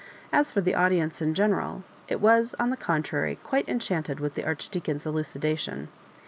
As for the audience in general, it was, on the contrary, quite enchanted with the Archdeacon's elucndation.